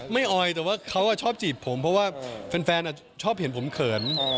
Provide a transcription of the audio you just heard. ออยแต่ว่าเขาชอบจีบผมเพราะว่าแฟนชอบเห็นผมเขิน